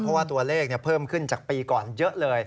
เพราะว่าตัวเลขเพิ่มขึ้นจากปีก่อนเยอะเลย